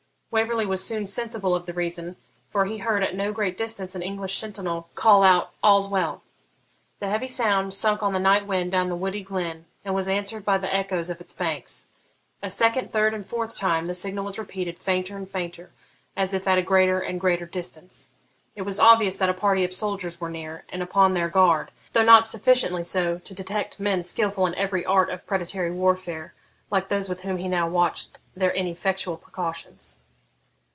Waverley was soon sensible of the reason, for he heard at no great distance an English sentinel call out 'All's well.' The heavy sound sunk on the night wind down the woody glen, and was answered by the echoes of its banks. A second, third, and fourth time the signal was repeated fainter and fainter, as if at a greater and greater distance. It was obvious that a party of soldiers were near, and upon their guard, though not sufficiently so to detect men skilful in every art of predatory warfare, like those with whom he now watched their ineffectual precautions.